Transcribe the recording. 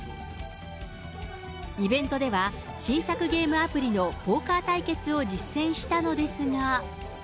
イベントでは、新作ゲームアプリのポーカー対決を実戦したのですが。